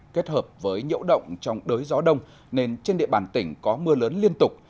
kết hợp với nhiễu động trong đới gió đông nên trên địa bàn tỉnh có mưa lớn liên tục